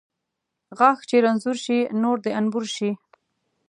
ـ غاښ چې رنځور شي ، نور د انبور شي .